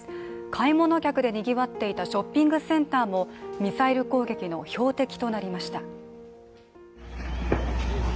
買い物客でにぎわっていたショッピングセンターもミサイル攻撃の標的となりました。